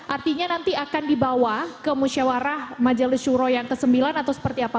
artinya nanti akan dibawa ke musyawarah majelis syuro yang ke sembilan atau seperti apa